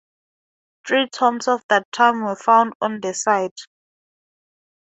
Three tombs of that time were found on the site.